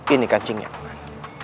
ini kancingnya peman